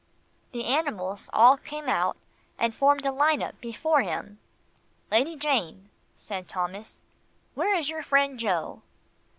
The animals all came out, and formed a line up before him. "Lady Jane," said Thomas, "where is your friend Joe?"